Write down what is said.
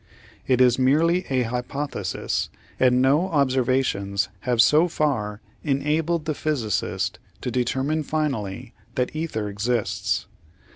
It is merely a hypothesis, and no observations have so far enabled the physicist to determine finally that ether exists.